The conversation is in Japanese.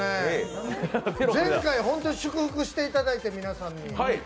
前回、ホント祝福していただいて、皆さんに。